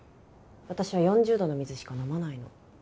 私は４０度の水しか飲まないの。